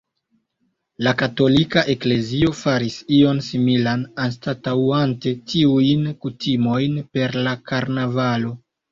La katolika eklezio faris ion similan anstataŭante tiujn kutimojn per la karnavalo.